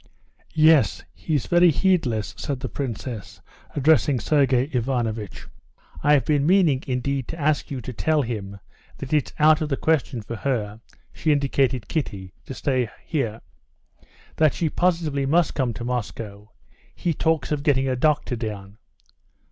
"Yes, he's very heedless," said the princess, addressing Sergey Ivanovitch. "I've been meaning, indeed, to ask you to tell him that it's out of the question for her" (she indicated Kitty) "to stay here; that she positively must come to Moscow. He talks of getting a doctor down...."